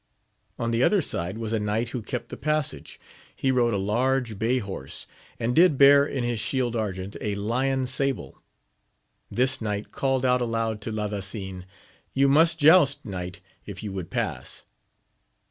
On the other side was a knight who kept the passage ; he rode a large bay horse, and did bear in his shield argent a lion sable : This knight called out aloud to Ladasin, You must joust, knight, if you would pass.